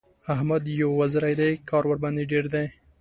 احمد يو وزری دی؛ کار ورباندې ډېر دی.